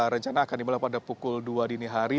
rencana akan dimulai pada pukul dua dini hari